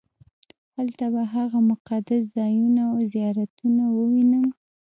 هلته به هغه مقدس ځایونه او زیارتونه ووېنم.